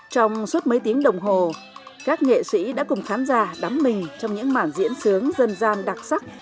trong suốt mấy tiếng đồng hồ các nghệ sĩ đã cùng khán giả đắm mình trong những mảng diễn sướng dân gian đặc sắc